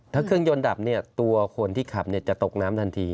ถ้าเครื่องยนต์ดับตัวคนที่ขับจะตกน้ำทันที